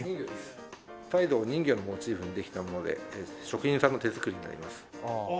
サイドを人魚のモチーフにできたもので職人さんの手作りになります。